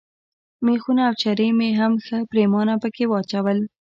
مېخونه او چرې مې هم ښه پرېمانه پکښې واچول.